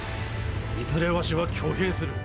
いずれわしは挙兵する。